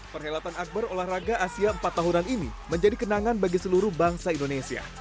perhelatan akbar olahraga asia empat tahunan ini menjadi kenangan bagi seluruh bangsa indonesia